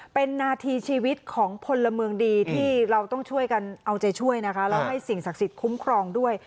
เป็นนาทีชีวิตของพลเมืองดีที่เราต้องช่วยกันเอาใจช่วยนะคะแล้วให้สิ่งศักดิ์สิทธิคุ้มครองด้วย